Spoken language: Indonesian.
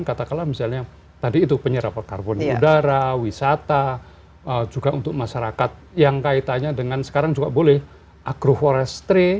katakanlah misalnya tadi itu penyerapan karbon udara wisata juga untuk masyarakat yang kaitannya dengan sekarang juga boleh agroforestry